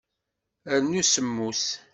Rnu semmus.